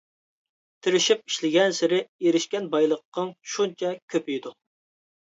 تىرىشىپ ئىشلىگەنسېرى، ئېرىشكەن بايلىقىڭ شۇنچە كۆپىيىدۇ.